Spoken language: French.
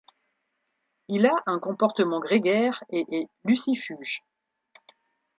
Il a un comportement grégaire et est lucifuge.